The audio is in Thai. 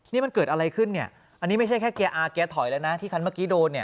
นี่มันเกิดอะไรขึ้นเนี่ยอันนี้ไม่ใช่แค่เกียร์อาร์แกถอยแล้วนะที่คันเมื่อกี้โดนเนี่ย